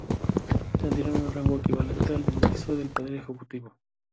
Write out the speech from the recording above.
Tendrán un rango equivalente al de ministro del Poder Ejecutivo.